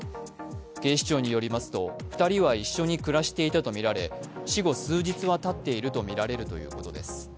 警視庁によりますと２人は一緒に暮らしていたとみられ死後数日はたっているとみられるということです。